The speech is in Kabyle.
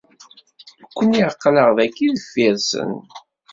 Nekkni aql-aɣ dagi deffir-sen.